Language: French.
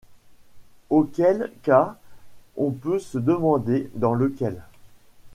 Auquel cas on peut se demander dans lequel.